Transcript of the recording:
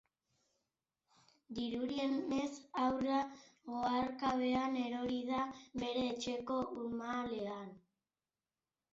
Dirudienez, haurra oharkabean erori da bere etxeko urmaelean.